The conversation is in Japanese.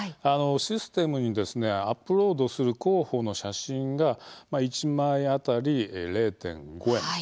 システムにアップロードする候補の写真が１枚当たり０．５円。